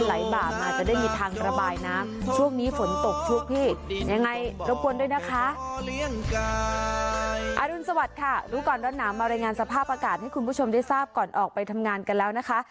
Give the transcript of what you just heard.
อรุณสวัสดิ์ค่ะรู้ก่อนร้อนหนาวมารายงานสภาพอากาศให้คุณผู้ชมได้ทราบก่อนออกไปทำงานกันแล้วนะคะ